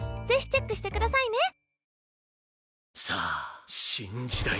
ぜひチェックしてくださいね。